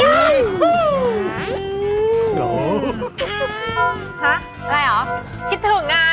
อะไรเหรอ